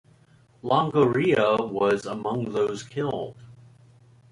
Longoria was among those killed.